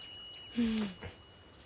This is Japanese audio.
うん。